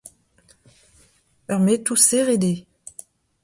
Ur metoù serret eo.